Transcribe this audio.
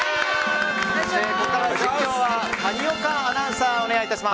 ここから実況は谷岡アナウンサーお願いします。